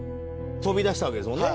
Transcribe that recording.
飛び出したわけですもんね